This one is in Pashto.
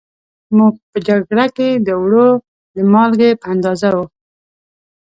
موږ په جگړه کې د اوړو د مالگې په اندازه وو